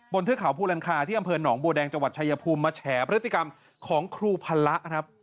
เทือกเขาภูลังคาที่อำเภอหนองบัวแดงจังหวัดชายภูมิมาแฉพฤติกรรมของครูพละครับ